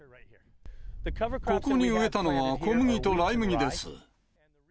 ここに植えたのは、小麦とライ麦です。